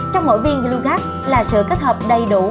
trong mỗi viên glogat là sự kết hợp đầy đủ